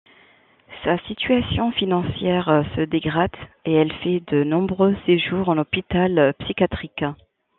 Sa situation financière se dégrade et elle fait de nombreux séjours en hôpital psychiatrique.